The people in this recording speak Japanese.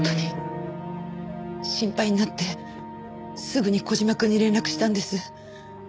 心配になってすぐに小島くんに連絡したんです。